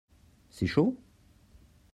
C'est chaud ?